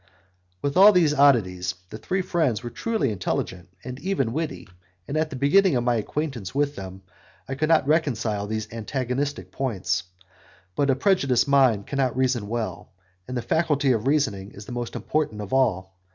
With all these oddities, the three friends were truly intelligent and even witty, and, at the beginning of my acquaintance with them, I could not reconcile these antagonistic points. But a prejudiced mind cannot reason well, and the faculty of reasoning is the most important of all.